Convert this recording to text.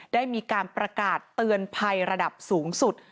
ได้มีการประกาศเตือนภัยระดับสูงสุด